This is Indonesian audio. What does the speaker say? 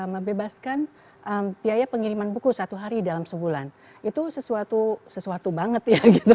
mebebaskan ham bjaya pengiriman buku satu hari dalam sebulan itu sesuatu sesuatu banget movement